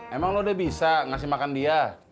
emang lo udah bisa ngasih makan dia